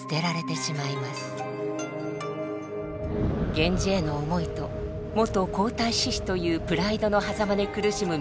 源氏への想いと元皇太子妃というプライドの狭間で苦しむ御息所。